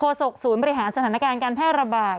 ศกศูนย์บริหารสถานการณ์การแพร่ระบาด